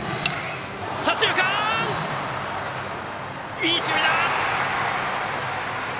いい守備だ！